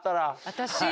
私。